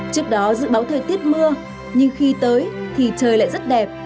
trước đó dự báo thời tiết mưa nhưng khi tới thì trời lại rất đẹp